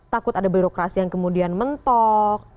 takut ada birokrasi yang kemudian mentok